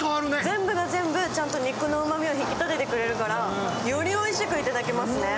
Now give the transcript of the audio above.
全部が全部肉のうまみを引き立ててくれるからよりおいしくいただけますね。